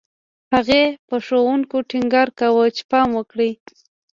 هغې په ښوونکو ټینګار کاوه چې پام وکړي